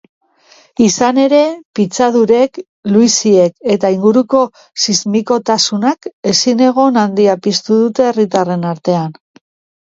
Izan ere, pitzadurek, luiziek eta inguruko sismikotasunak ezinegon handia piztu dute herritarren artean.